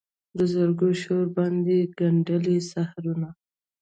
د زرکو شور باندې ګندلې سحرونه